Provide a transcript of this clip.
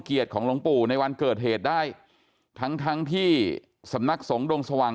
ของหลวงปู่ในวันเกิดเหตุได้ทั้งทั้งที่สำนักสงฆ์ดงสว่าง